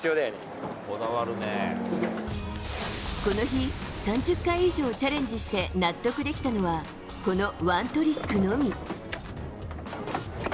この日３０回以上チャレンジして納得できたのはこの１トリックのみ。